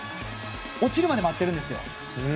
落ちるまで待っているんです。